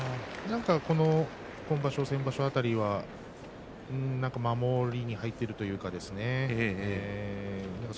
今場所、先場所辺りは守りに入っている印象ですね。